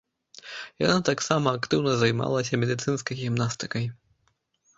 Яна таксама актыўна займалася медыцынскай гімнасткай.